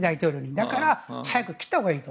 だから早く切ったほうがいいと。